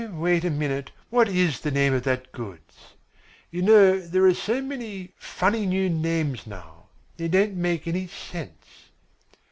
"Oh, wait a minute, what is the name of that goods? You know there are so many funny new names now. They don't make any sense."